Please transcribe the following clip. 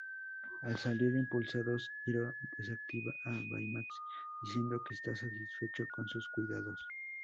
Al salir impulsados, Hiro desactiva a Baymax diciendo que está satisfecho con sus cuidados.